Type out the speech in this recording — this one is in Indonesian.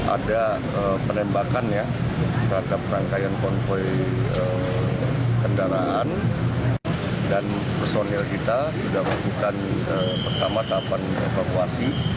ada penembakan ya terhadap rangkaian konvoy kendaraan dan personil kita sudah melakukan pertama tahapan evakuasi